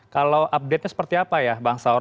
kalau update nya seperti apa ya bang saur